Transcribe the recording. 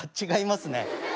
違いますね。